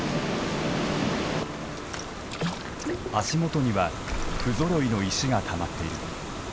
足元には不ぞろいの石がたまっている。